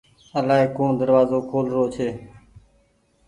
الآئي ڪوڻ دروآزو کول رو ڇي۔